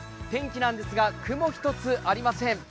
天気なんですが雲一つありません。